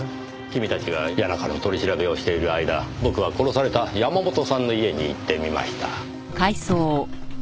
君たちが谷中の取り調べをしている間僕は殺された山本さんの家に行ってみました。